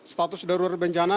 status darurat bencana